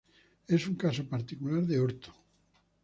Es un caso particular de orto.